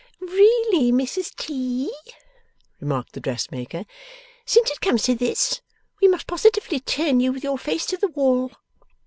'Really, Mrs T.,' remarked the dressmaker, 'since it comes to this, we must positively turn you with your face to the wall.